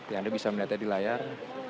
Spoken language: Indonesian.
yang anda bisa melihatnya di layar